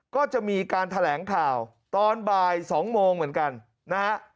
ก็จะมีการแถลงข่าวตอนบ่าย๒โมงเหมือนกันนะฮะ